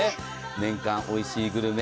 年間おいしいグルメ。